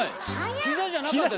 膝じゃなかった！